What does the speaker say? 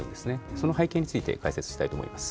その背景について解説したいと思います。